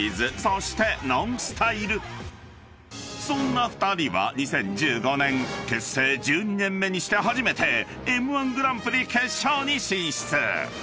［そんな２人は２０１５年結成１２年目にして初めてＭ−１グランプリ決勝に進出］